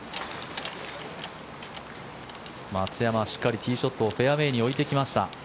松山はしっかりティーショットをフェアウェーに置いてきました。